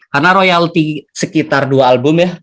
karena royalty sekitar dua album ya